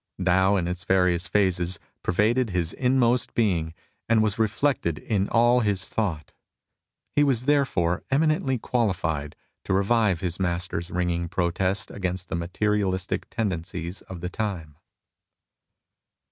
Tao in its various phases pervaded his inmost being and was reflected in all his thought. He was therefore eminently qualifled to revive his Master's ringing protest against the materialistic tendencies of the time.